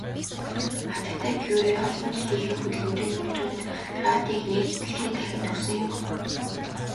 Хатагтай Кюре олон жилийнхээ хөдөлмөрийн үр дүнд радийг нээж дэлхий дахинд өгсөн юм.